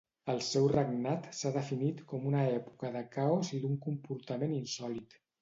El seu regnat s'ha definit com una època de caos i d'un comportament insòlit.